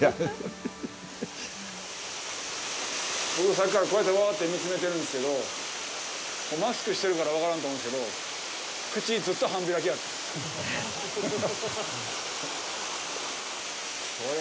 僕、さっきからこうやってわあって見詰めてるんですけど、マスクしてるから分からんと思うんですけど、口、ずっと半開きやから。